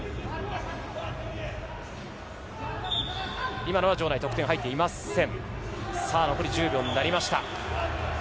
今のは場外で得点に入っていません。